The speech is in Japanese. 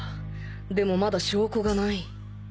でもまだ証拠がない